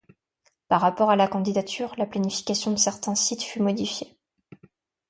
Par rapport à la candidature, la planification de certains sites fut modifiée.